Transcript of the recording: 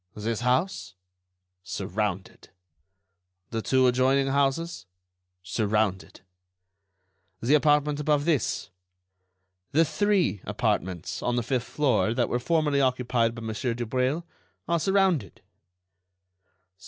"This house?" "Surrounded." "The two adjoining houses?" "Surrounded." "The apartment above this?" "The three apartments on the fifth floor that were formerly occupied by Monsieur Dubreuil are surrounded."